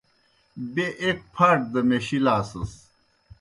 بیْہ ایْک پھاٹ دہ میشِلاسَس۔